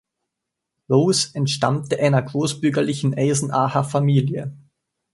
Roese entstammte einer großbürgerlichen Eisenacher Familie.